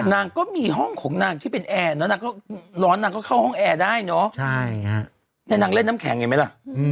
นางก็มีห้องของนางที่เป็นแอร์เนอะนางก็ร้อนนางก็เข้าห้องแอร์ได้เนอะนางเล่นน้ำแข็งเห็นไหมล่ะ